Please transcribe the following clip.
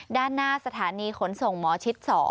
ด้านหน้าสถานีขนส่งหมอชิด๒